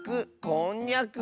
「こんにゃく」。